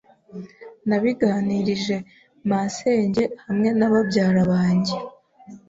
Nabiganirije masenge hamwe na babyara banjye